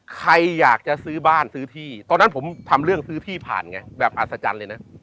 ใครอยากจะซื้อบ้านซื้อที่ตอนนั้นผมทำเรื่องซื้อที่ผ่านไงแบบอัศจรรย์เลยนะ